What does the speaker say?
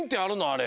あれ。